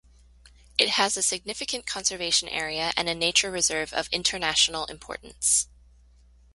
It has a significant conservation area and a nature reserve of international importance.